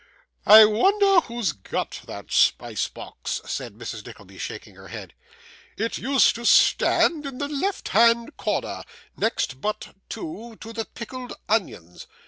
'I wonder who's got that spice box,' said Mrs. Nickleby, shaking her head. 'It used to stand in the left hand corner, next but two to the pickled onions.